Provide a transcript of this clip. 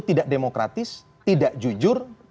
tidak demokratis tidak jujur